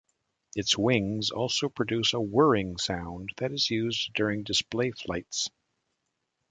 Its wings also produce a whirring sound that is used during display flights.